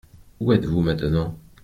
Où êtes-vous maintenant ?